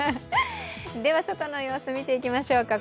外の様子を見ていきましょうか。